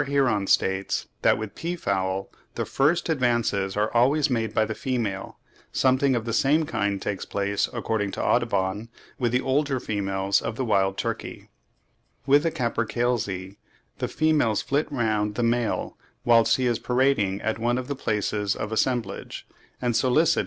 Heron states that with peafowl, the first advances are always made by the female; something of the same kind takes place, according to Audubon, with the older females of the wild turkey. With the capercailzie, the females flit round the male whilst he is parading at one of the places of assemblage, and solicit his attention. (30. In regard to peafowl, see Sir R. Heron, 'Proc.